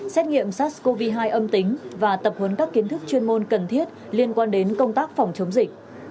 xét nghiệm sars cov hai âm tính và tập huấn các kiến thức chuyên môn cần thiết liên quan đến công tác phòng chống dịch